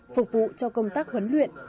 phục vụ cho công tác huấn luyện